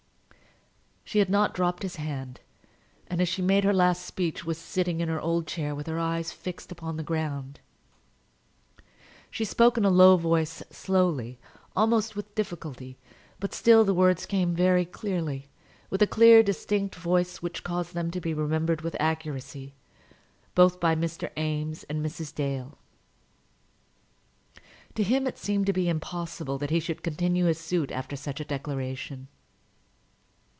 She had not dropped his hand, and as she made her last speech was sitting in her old chair with her eyes fixed upon the ground. She spoke in a low voice, slowly, almost with difficulty; but still the words came very clearly, with a clear, distinct voice which caused them to be remembered with accuracy, both by Eames and Mrs. Dale. To him it seemed to be impossible that he should continue his suit after such a declaration.